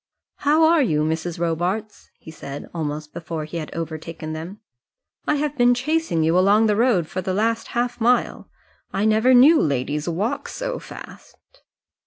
"How are you, Mrs. Robarts?" he said, almost before he had overtaken them. "I have been chasing you along the road for the last half mile. I never knew ladies walk so fast."